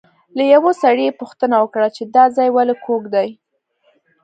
له یوه سړي یې پوښتنه وکړه چې دا ځای ولې کوږ دی.